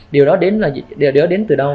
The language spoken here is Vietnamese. điều đó đến từ đâu